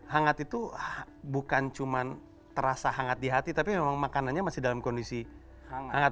hangat itu bukan cuma terasa hangat di hati tapi memang makanannya masih dalam kondisi hangat